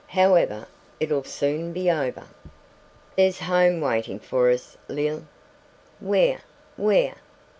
However, it'll soon be over. There's home waiting for us, Lil " "Where? Where?"